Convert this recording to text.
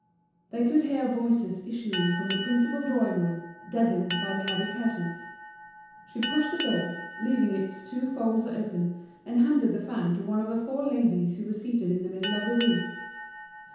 They could hear voices issuing from the principal drawing room, deadened by the heavy curtains. She pushed the door, leaving its two folds open, and handed the fan to one of the four ladies who were seated in the middle of the room.